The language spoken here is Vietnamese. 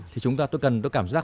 thì chúng ta tôi cần tôi cảm giác